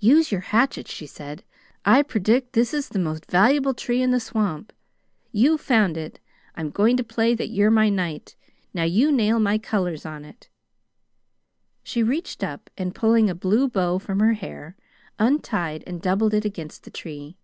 "Use your hatchet," she said. "I predict this is the most valuable tree in the swamp. You found it. I'm going to play that you're my knight. Now, you nail my colors on it." She reached up, and pulling a blue bow from her hair, untied and doubled it against the tree.